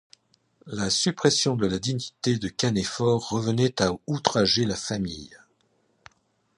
La suppression de la dignité de canéphore revenait à outrager la famille.